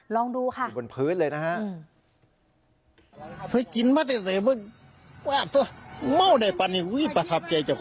ลองดูค่ะ